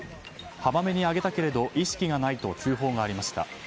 浜辺にあげたけれど意識がないと通報がありました。